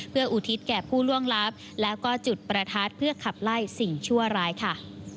เพื่ออุทิศแก่ผู้ล่วงลับแล้วก็จุดประทัดเพื่อขับไล่สิ่งชั่วร้ายค่ะ